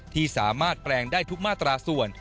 ที่สามารถแปลงได้ทุกมาตราส่วน